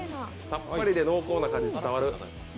さっぱりで濃厚な感じ伝わる。